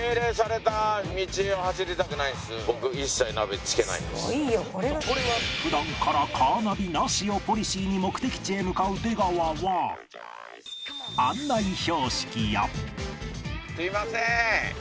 「すごいよ。これはすごい」普段からカーナビなしをポリシーに目的地へ向かう出川は案内標識や